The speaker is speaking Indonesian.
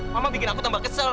mama bikin aku tambah kesel